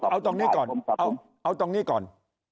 เอาตรงนี้ก่อนเอาตรงนี้ก่อน